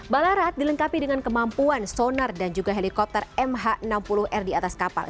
balarat dilengkapi dengan kemampuan sonar dan juga helikopter mh enam puluh r di atas kapal